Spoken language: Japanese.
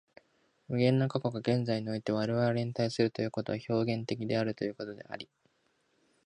無限の過去が現在において我々に対するということは表現的ということであり、